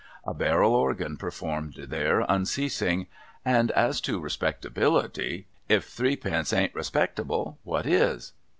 A barrel organ performed there unceasing. And as to respectability, — if threepence ain't respectable, what is?